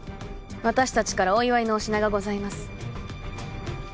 私たちからお祝いのお品がございます。